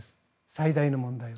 最大の問題は。